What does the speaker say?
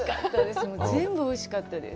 おいしかったです。